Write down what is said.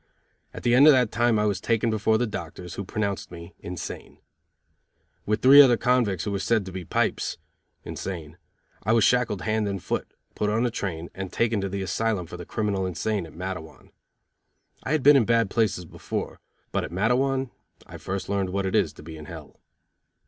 At the end of that time I was taken before the doctors, who pronounced me insane. With three other convicts who were said to be "pipes" (insane) I was shackled hand and foot, put on a train and taken to the asylum for the criminal insane at Matteawan. I had been in bad places before, but at Matteawan I first learned what it is to be in Hell.